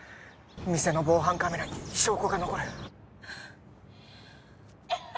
店の防犯カメラに証拠が残る